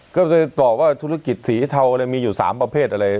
ก็เลยตอบว่าธุรกิจสีเทาอะไรมีอยู่๓ประเภทอะไร